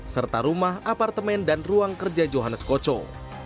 serta rumah apartemen dan ruang kerja johannes koco